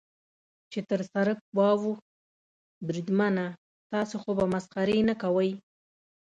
چې تر سړک واوښت، بریدمنه، تاسې خو به مسخرې نه کوئ.